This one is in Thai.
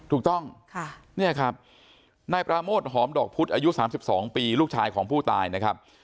ถูกต้องเนี่ยครับนายปราโมทหอมดอกพุธอายุ๓๒ปีลูกชายของผู้ตายนะครับ